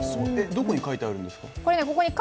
どこに書いてあるんですか？